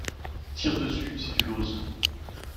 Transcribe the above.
Tire dessus, si tu l’oses.